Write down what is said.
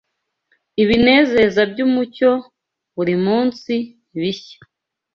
Ibinezeza byumucyo, burimunsi, bishya